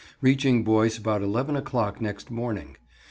reaching Boyce about 11 o'clock next morning.